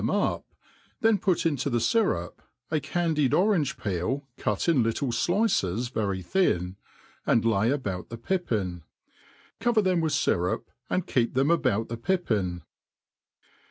them up ; then put into the fyrup a candied orange peel cut in little flices very thin, and lay about the pippin ; cover them with fyrup, apd keep them about the pipjiin.